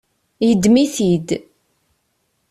Yeddem-it-id.